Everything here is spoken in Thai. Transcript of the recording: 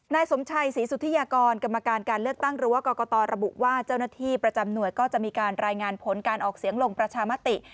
นายสมชัยศรีสุธิยากรกรรมการการเลือกตั้งหรือว่ากรกตระบุว่าเจ้าหน้าที่ประจำหน่วยก็จะมีการรายงานผลการออกเสียงลงประชามติ